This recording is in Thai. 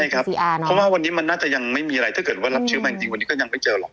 เพราะว่าวันนี้มันน่าจะยังไม่มีอะไรถ้าเกิดว่ารับเชื้อมาจริงวันนี้ก็ยังไม่เจอหรอก